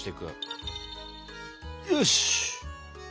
よし！